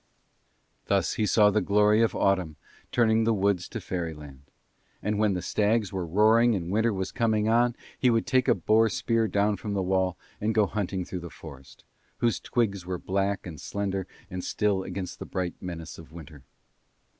Thus he saw the glory of autumn turning the woods to fairyland: and when the stags were roaring and winter coming on he would take a boar spear down from the wall and go hunting through the forest, whose twigs were black and slender and still against the bright menace of winter.